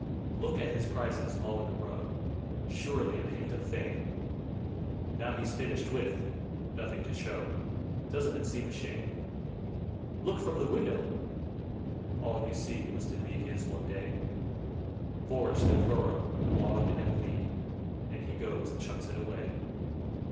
Look at his prizes all in a row: Surely a hint of fame. Now he's finished with, nothing to show: Doesn't it seem a shame? Look from the window! All you see Was to be his one day: Forest and furrow, lawn and lea, And he goes and chucks it away.